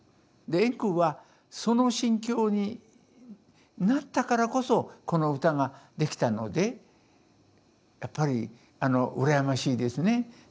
で円空はその心境になったからこそこの歌ができたのでやっぱりあの羨ましいですね。